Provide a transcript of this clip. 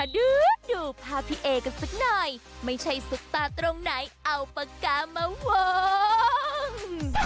ดูภาพพี่เอกันสักหน่อยไม่ใช่ซุปตาตรงไหนเอาปากกามาวง